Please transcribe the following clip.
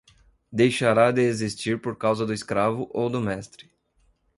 Deixará de existir por causa do escravo ou do mestre.